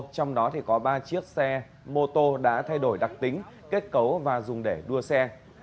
trong đó có ba chiếc xe mô tô đã thay đổi đặc tính kết cấu và dùng để đua xe